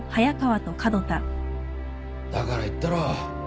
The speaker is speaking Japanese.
だから言ったろ。